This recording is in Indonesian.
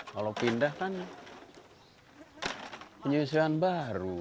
kalau pindah kan penyusuan baru